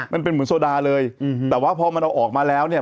มันเป็นเหมือนโซดาเลยอืมแต่ว่าพอมันเอาออกมาแล้วเนี่ย